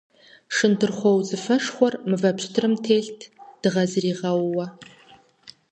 Шындырхъуо удзыфэшхуэр мывэ пщтырым телът дыгъэ зыригъэууэ.